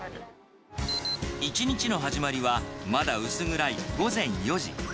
一日の始まりは、まだ薄暗い午前４時。